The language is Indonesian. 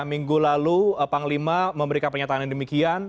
minggu lalu panglima memberikan pernyataan yang demikian